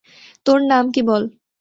তোর নাম কী বল?